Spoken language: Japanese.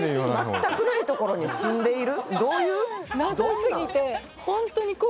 全くないところに住んでいる？